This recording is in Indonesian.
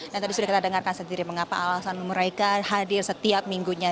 yang tadi sudah kita dengarkan sendiri mengapa alasan mereka hadir setiap minggunya